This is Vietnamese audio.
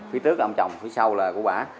phía trước là ông chồng phía sau là của bà